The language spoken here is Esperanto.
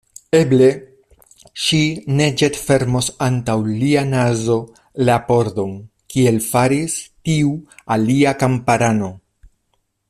Eble ŝi ne ĵetfermos antaŭ lia nazo la pordon, kiel faris tiu alia kamparano.